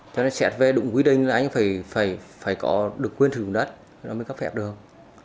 cho nên xét về đúng quy định là anh phải có được quyền sử dụng đất rồi mới cấp phép được